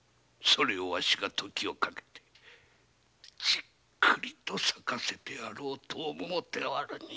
それをわしが時間をかけてじっくりと咲かせてやろうと思うておるに。